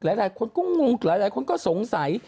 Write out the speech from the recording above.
หลายคนก็งงหลายคนก็สงสัย